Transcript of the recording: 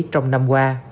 trong năm qua